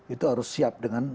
itu harus siap dengan